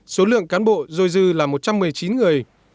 số lượng cán bộ dôi dư là một trăm một mươi chín người